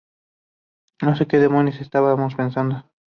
No se que demonios estábamos pensando".